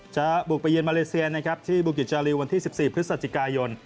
จะบุกไปเยือนมาเลเซียนะครับที่บุกิจจาริววันที่๑๔พฤศจิกายน